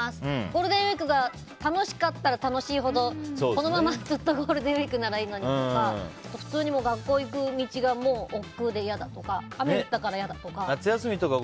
ゴールデンウィークが楽しかったら楽しいほどこのままずっとゴールデンウィークでいいのにとか普通に学校行く道がおっくうでいやだとか雨が降ったからいやだとか。